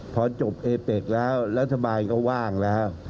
พอจบเอเป็กแล้วรัฐบาลก็ว่างแล้ว